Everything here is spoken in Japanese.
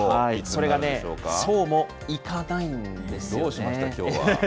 それがね、そうもイカないんです。